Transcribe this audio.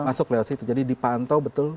masuk lewat situ jadi dipantau betul